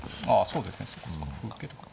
そうですねそうか歩受けるか。